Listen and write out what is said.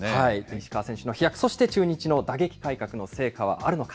石川選手の飛躍、そして中日の打撃改革の成果はあるのか。